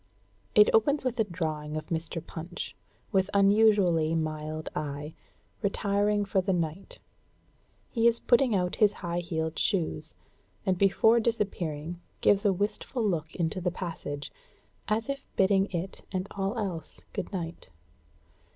It opens with a drawing of Mr. Punch, with unusually mild eye, retiring for the night; he is putting out his high heeled shoes, and before disappearing gives a wistful look into the passage, as if bidding it and all else good night.